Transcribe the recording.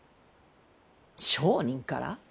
商人から。